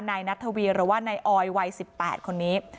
นายนัทวีหรือว่านายออยวัย๑๘คนนี้